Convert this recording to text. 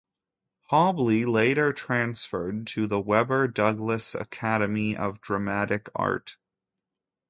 Hobley later transferred to the Webber Douglas Academy of Dramatic Art.